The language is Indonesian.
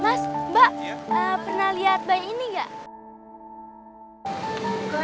mas mbak pernah lihat bayi ini nggak